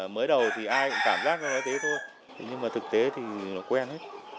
mới đầu thì ai cũng cảm giác nó là thế thôi nhưng mà thực tế thì nó quen hết